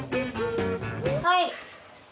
はい。